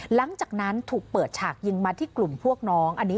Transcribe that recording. หลังจากนั้นถูกเปิดฉากยิงมาที่กลุ่มพวกน้องอันนี้